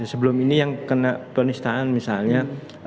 sebelum ini yang kena penistaan misalnya